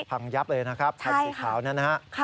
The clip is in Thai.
พังยับเลยนะครับคันสีขาวนั้นนะฮะ